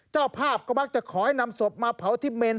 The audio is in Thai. เจ้าภาพก็มักจะขอให้นำศพมาเผาที่เมน